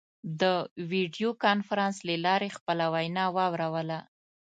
د ویډیو کنفرانس له لارې خپله وینا واوروله.